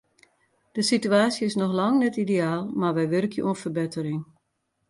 De situaasje is noch lang net ideaal, mar wy wurkje oan ferbettering.